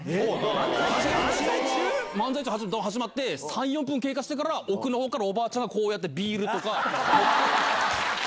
始まって３４分経過してから奥のほうからおばあちゃんがこうやってビールとか。